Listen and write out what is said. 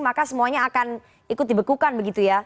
maka semuanya akan ikut dibekukan begitu ya